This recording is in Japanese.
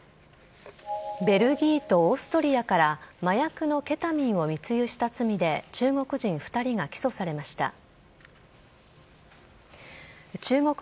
ベルギーとオーストリアから、麻薬のケタミンを密輸した罪で、中国人２人が起訴されました。